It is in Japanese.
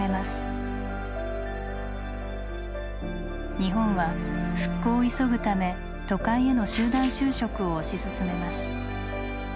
日本は復興を急ぐため都会への集団就職を推し進めます。